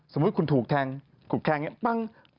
สมมุติว่าคุณถูกแท้งถูกแท้งแบบนี้